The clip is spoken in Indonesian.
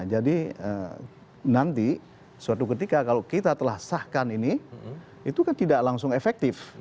jadi nanti suatu ketika kalau kita telah sahkan ini itu kan tidak langsung efektif